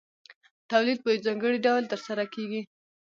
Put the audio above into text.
تولید په یو ځانګړي ډول ترسره کېږي